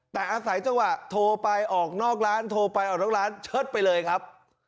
แต่อาศัยจังหวะโทรไปออกนอกร้านโทรไปออกนอกร้านเชิดไปเลยครับ